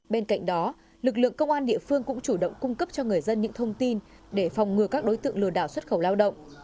bên cạnh đó lực lượng công an địa phương cũng chủ động cung cấp cho người dân những thông tin để phòng ngừa các đối tượng lừa đảo xuất khẩu lao động